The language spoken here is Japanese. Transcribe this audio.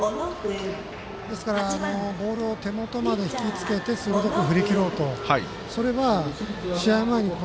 ですからボールを手元まで引きつけて鋭く振り切ろうと。